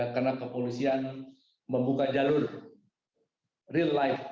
karena kepolisian membuka jalur real life